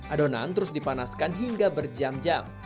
adonan terus dipanaskan hingga berjam jam